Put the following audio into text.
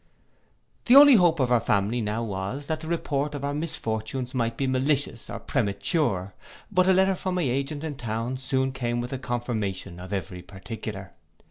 The only hope of our family now was, that the report of our misfortunes might be malicious or premature: but a letter from my agent in town soon came with a confirmation of every particular.